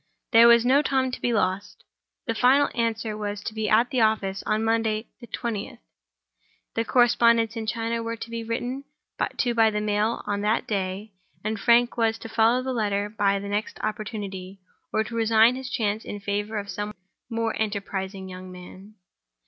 There was no time to be lost. The final answer was to be at the office on "Monday, the twentieth": the correspondents in China were to be written to by the mail on that day; and Frank was to follow the letter by the next opportunity, or to resign his chance in favor of some more enterprising young man.